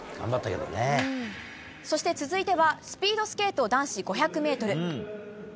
そして続いてはスピードスケート男子５００メートル。